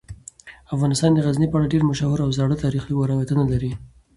افغانستان د غزني په اړه ډیر مشهور او زاړه تاریخی روایتونه لري.